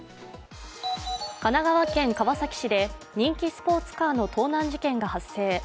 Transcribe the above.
神奈川県川崎市で人気スポーツカーの盗難事件が発生。